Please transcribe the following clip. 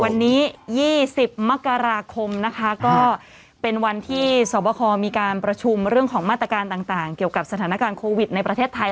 วันนี้๒๐มกราคมนะคะก็เป็นวันที่สวบคอมีการประชุมเรื่องของมาตรการต่างเกี่ยวกับสถานการณ์โควิดในประเทศไทย